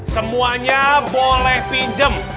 semuanya boleh pinjem